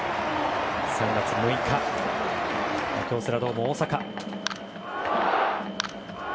３月６日、京セラドーム大阪。